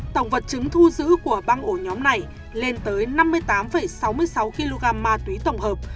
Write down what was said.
tổng vật chứng thu giữ của băng ổ nhóm này lên tới năm mươi tám sáu mươi sáu kg ma túy tổng hợp